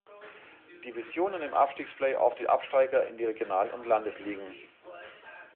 Division und im Abstiegs-Playoff die Absteiger in die Regional- und Landesligen.